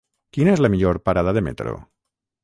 Quina és la millor parada de metro?